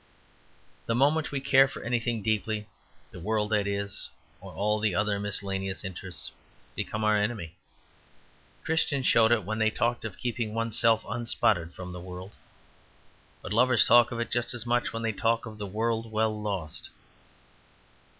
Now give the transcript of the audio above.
The moment we care for anything deeply, the world that is, all the other miscellaneous interests becomes our enemy. Christians showed it when they talked of keeping one's self "unspotted from the world;" but lovers talk of it just as much when they talk of the "world well lost."